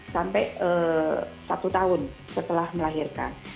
sampai satu tahun setelah melahirkan